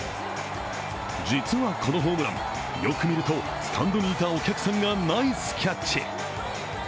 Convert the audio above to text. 実はこのホームラン、よく見るとスタンドにいたお客さんがナイスキャッチ。